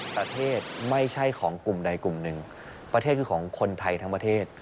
ประเทศไม่ใช่ของกลุ่มใดกลุ่มหนึ่งประเทศคือของคนไทยทั้งประเทศ